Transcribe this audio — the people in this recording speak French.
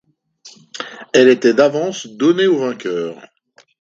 Elle était d’avance donnée au vainqueur.